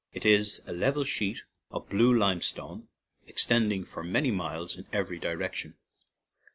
It is a level sheet of blue limestone ex tending for many miles in every direc tion.